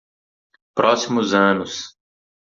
Próximos anos